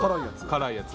辛いやつ。